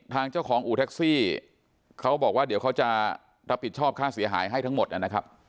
ทางเจ้าของอู่แท็กซี่เขาบอกว่าเดี๋ยวเขาจะรับผิดชอบค่าเสียหายให้ทั้งหมดนะครับ